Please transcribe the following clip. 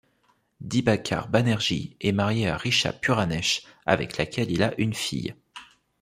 Dibakar Banerjee est marié à Richa Puranesh avec laquelle il a une fille.